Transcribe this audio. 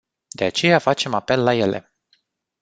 De aceea facem apel la ele.